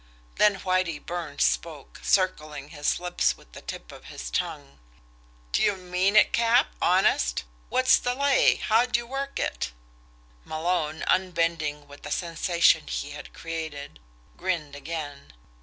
Then Whitie Burns spoke, circling his lips with the tip of his tongue: "D'ye mean it, Cap honest? What's the lay? How'd you work it?" Malone, unbending with the sensation he had created, grinned again.